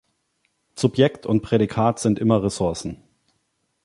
Subjekt und Prädikat sind immer Ressourcen.